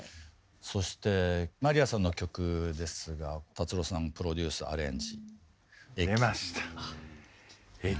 そしてまりやさんの曲ですが達郎さんプロデュース・アレンジ「駅」。